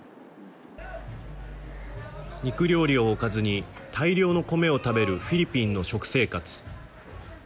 肉料理をおかずに大量のコメを食べるフィリピンの食生活。